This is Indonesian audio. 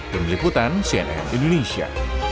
kemiliputan cnn indonesia